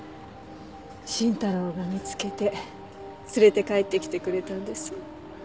伸太郎が見つけて連れて帰ってきてくれたんです。